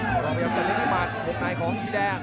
พยายามจะเล็งให้มาหกนายของอิสดีแดง